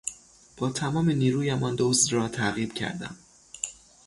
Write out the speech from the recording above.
با تمام نیرویم آن دزد را تعقیب کردم.